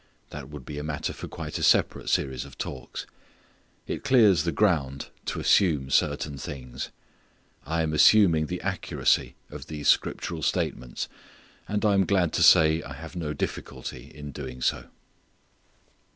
That would be a matter for quite a separate series of talks. It clears the ground to assume certain things. I am assuming the accuracy of these scriptural statements. And I am glad to say I have no difficulty in doing so.